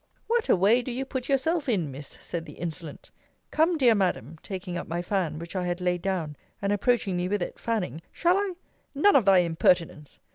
What a way do you put yourself in, Miss, said the insolent! Come, dear Madam, taking up my fan, which I had laid down, and approaching me with it, fanning, shall I None of thy impertinence!